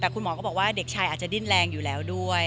แต่คุณหมอก็บอกว่าเด็กชายอาจจะดิ้นแรงอยู่แล้วด้วย